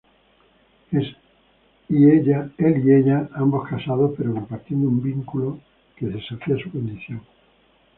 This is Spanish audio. Él y ella, ambos casados, pero compartiendo un vínculo que desafía su condición.